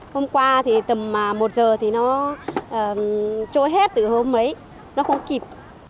hôm qua thì tầm một h thì nó trôi hết từ hôm ấy nó không kịp